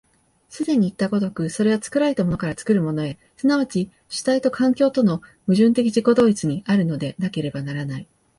既にいった如く、それは作られたものから作るものへ、即ち主体と環境との矛盾的自己同一にあるのでなければならない。